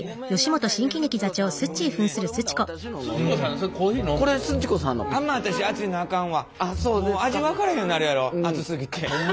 もう味分からへんようなるやろ熱すぎて。